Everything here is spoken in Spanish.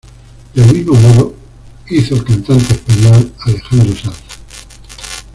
Del mismo modo hizo el cantante español Alejandro Sanz.